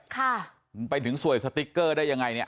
ค่ะมันไปถึงสวยสติ๊กเกอร์ได้ยังไงเนี่ย